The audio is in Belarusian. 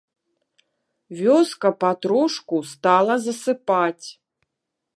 Вёска патрошку стала засыпаць...